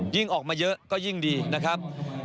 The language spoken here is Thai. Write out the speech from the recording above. ออกมาเยอะก็ยิ่งดีนะครับ